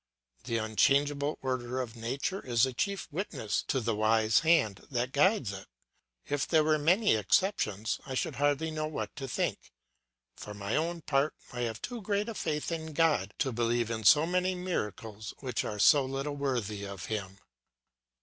The unchangeable order of nature is the chief witness to the wise hand that guides it; if there were many exceptions, I should hardly know what to think; for my own part I have too great a faith in God to believe in so many miracles which are so little worthy of him.